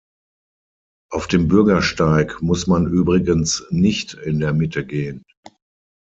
Auf dem Bürgersteig muss man übrigens nicht in der Mitte gehen.